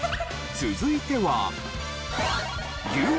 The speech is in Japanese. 続いては。